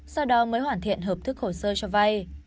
sau đó mới hoàn thiện hợp thức hồ sơ cho vay